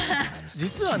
実はね